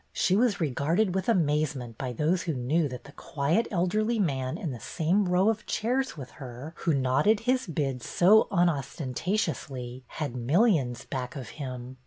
She was regarded with amaze ment by those who knew that the quiet elderly man in the same row of chairs with her, who 19 290 BETTY BAIRD'S VENTURES nodded his bids so unostentatiously, had millions back of him.